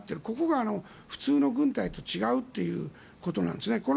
ここが普通の軍隊と違うということなんですね。